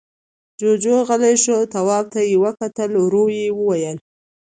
جُوجُو غلی شو، تواب ته يې وکتل، ورو يې وويل: